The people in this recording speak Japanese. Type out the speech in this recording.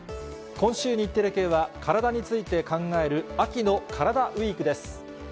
今週、日テレ系は、カラダについて考える秋のカラダＷＥＥＫです。